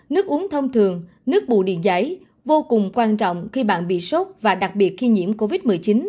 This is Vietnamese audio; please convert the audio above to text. nước uống thông thường nước bù điện giấy vô cùng quan trọng khi bạn bị sốt và đặc biệt khi nhiễm covid một mươi chín